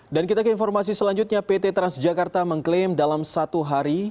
dan kita ke informasi selanjutnya pt transjakarta mengklaim dalam satu hari